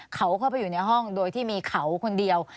เขาเข้าไปอยู่ในห้องโดยที่มีเขาคนเดียว